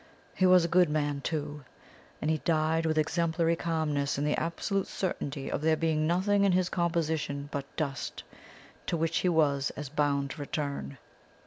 He was a good man, too, and he died with exemplary calmness in the absolute certainty of there being nothing in his composition but dust, to which he was as bound to return.